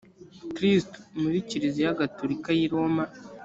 kristu muri kiliziya gatolika y i roma